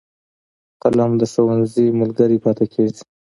قلم د ښوونځي ملګری پاتې کېږي